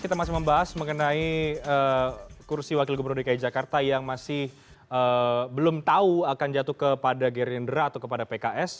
kita masih membahas mengenai kursi wakil gubernur dki jakarta yang masih belum tahu akan jatuh kepada gerindra atau kepada pks